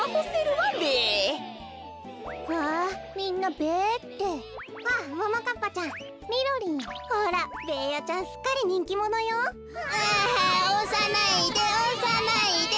わあおさないでおさないでべ。